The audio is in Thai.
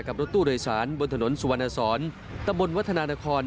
รถตู้โดยสารบนถนนสุวรรณสอนตะบนวัฒนานคร